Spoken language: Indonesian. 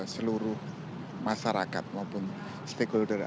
seluruh masyarakat maupun stakeholder